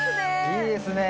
いいですね